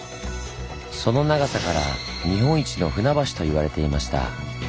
その長さから「日本一の船橋」と言われていました。